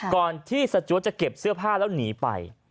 ก่อนที่สจวดจะเก็บเสื้อผ้าแล้วหนีไป